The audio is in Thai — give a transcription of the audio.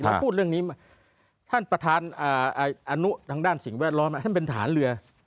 แล้วพูดเรื่องนี้มาท่านประธานอนุทางด้านสิ่งแวดล้อมท่านเป็นฐานเรือ